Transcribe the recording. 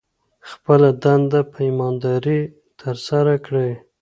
خپله دنده په ایمانداري ترسره کړئ.